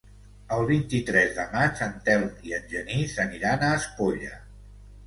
El vint-i-tres de maig en Telm i en Genís aniran a Espolla.